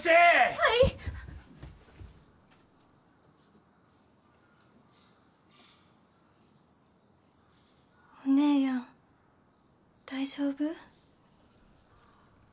はいお姉やん大丈夫？